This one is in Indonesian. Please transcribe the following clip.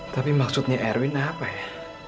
tapi maksudnya erwin apa ya